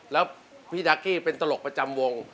แล้วพี่ดากี้เป็นตลกประจำวง